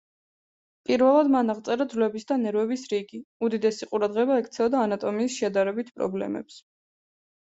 პირველად მან აღწერა ძვლების და ნერვების რიგი, უდიდესი ყურადღება ექცეოდა ანატომიის შედარებით პრობლემებს.